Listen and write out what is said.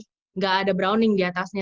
tidak ada browning diatasnya